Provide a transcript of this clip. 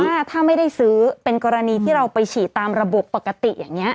แต่ถ้าไม่ได้ซื้อเป็นกรณีที่เราไปฉีดตามระบบปกติ